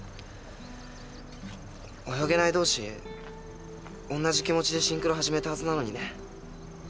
泳げない同士同じ気持ちでシンクロ始めたはずなのにね。